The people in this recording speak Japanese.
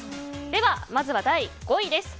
では、まずは第５位です。